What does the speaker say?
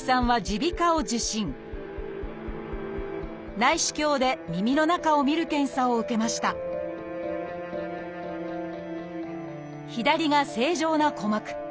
内視鏡で耳の中を診る検査を受けました左が正常な鼓膜。